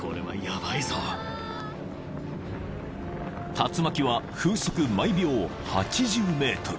［竜巻は風速毎秒８０メートル］